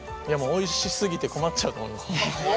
おいしすぎて困っちゃうと思います。